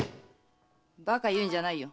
バカ言うんじゃないよ。